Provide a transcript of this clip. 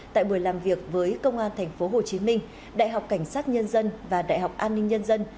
tại buổi làm việc với công an tp hcm đại học cảnh sát nhân dân và đại học an ninh nhân dân